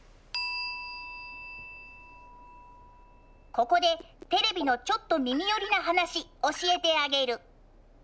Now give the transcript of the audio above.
ここでテレビのちょっと耳よりな話教えてあげる。